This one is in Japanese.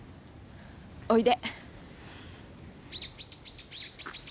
おいで。